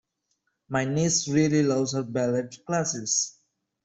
My niece really loves her ballet classes